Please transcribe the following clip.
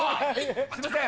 すいません。